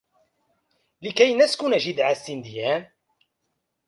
لكي نسكن جذع السنديان!